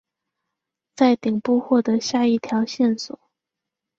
在顶部获得下一条线索。